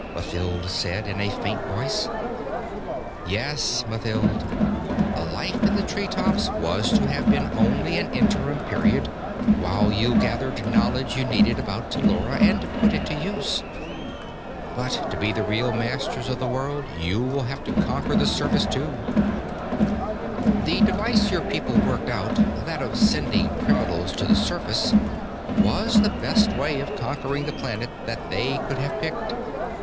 Mathild said in a faint voice. "Yes, Mathild. The life in the treetops was to have been only an interim period, while you gathered knowledge you needed about Tellura and put it to use. But to be the real masters of the world, you will have to conquer the surface, too. "The device your people worked out, that of sending criminals to the surface, was the best way of conquering the planet that they could have picked.